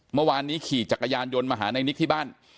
เมื่อวานนี้ขี่จักรยานยนต์มาหาในนิกที่บ้าน